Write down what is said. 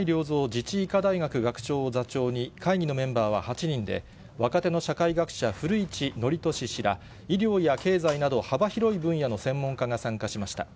自治医科大学学長を座長に、会議のメンバーは８人で、若手の社会学者、古市憲寿氏など、医療や経済など、幅広い分野の専門家が参加しました。